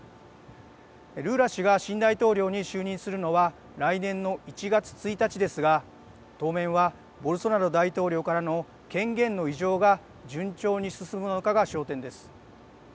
ルーラ氏が新大統領に就任するのは来年の１月１日ですが当面はボルソナロ大統領からの権限の委譲が順調に進むのかが焦点です。